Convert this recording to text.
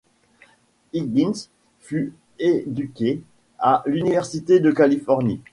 Higgins fut éduquée à l'université de Californie.